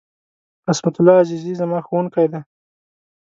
عصمت الله عزیزي ، زما ښوونکی دی.